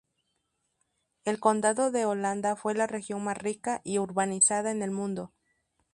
El Condado de Holanda fue la región más rica y urbanizada en el mundo.